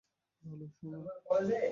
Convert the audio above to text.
বলো, সোনা।